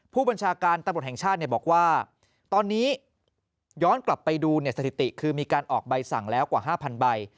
ผู้บัญชาการตำรวจแห่งชาติบอกว่าตอนนี้ย้อนกลับไปดูสถิติคือมีการออกใบสั่งแล้วกว่า๕๐๐ใบ